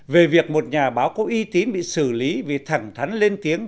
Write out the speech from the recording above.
về việc một nhà báo có uy tín bị xử lý vì thẳng thắn lên tiếng